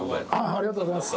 ありがとうございます。